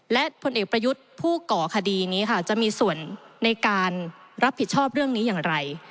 และผลเอกประยุทธ์ผู้ก่อคดีนี้ค่ะจะมีส่วนในการรับผิดชอบเรื่องนี้อย่างไร